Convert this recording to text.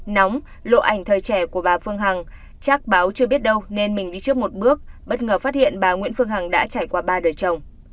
nóng lộ ảnh thời trẻ của bà phương hằng chắc báo chưa biết đâu nên mình đi trước một bước bất ngờ phát hiện bà nguyễn phương hằng đã trải qua ba đời chồng